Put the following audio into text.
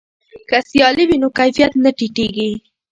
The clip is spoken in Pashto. که سیالي وي نو کیفیت نه ټیټیږي.